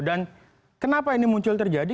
dan kenapa ini muncul terjadi